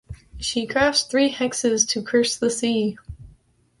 She crafts three hexes to curse the sea.